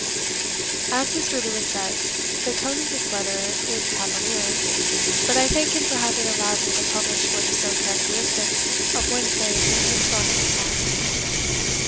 As Mr. Lewes says, "the tone of this letter is cavalier." But I thank him for having allowed me to publish what is so characteristic of one phase of Miss Brontë's mind.